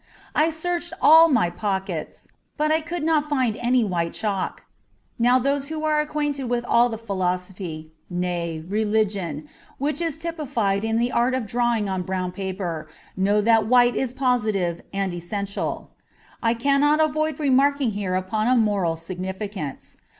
I searched all my pockets, but I could not find any white chalk. Now, those who are acquainted with all the philosophy (nay, religion) which is typified in the art of drawing on brown paper, know that white is positive and essential. I cannot avoid remarking here upon a moral significance.